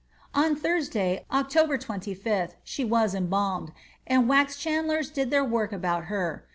^ On Thursday, October 25, she was embalmed ; and wax chandlers did their work about her.